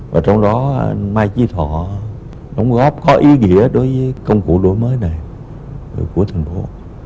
và trong đó mai chí thọ đóng góp có ý nghĩa đối với công cụ đổi mới này của thành phố